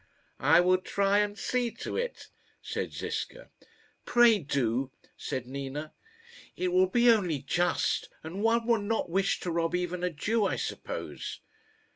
"I will try and see to it," said Ziska. "Pray do," said Nina; "it will be only just; and one would not wish to rob even a Jew, I suppose."